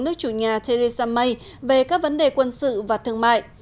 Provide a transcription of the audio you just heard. nước chủ nhà theresa may về các vấn đề quân sự và thương mại